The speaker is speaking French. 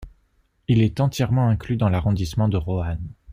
Il est entièrement inclus dans l'arrondissement de Roanne.